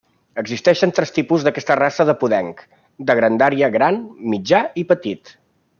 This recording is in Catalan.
Existeixen tres tipus d'aquesta raça de podenc: de grandària gran, mitjà i petit.